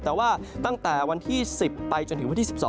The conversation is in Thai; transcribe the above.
แต่ว่าตั้งแต่วันที่๑๐ไปจนถึงวันที่๑๒